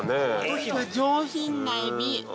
上品なエビ。